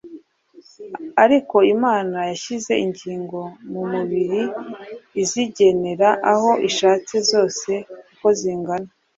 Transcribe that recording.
ariko imana yashyize ingingo mu mubiri izigenera aho ishatse zose uko zingana.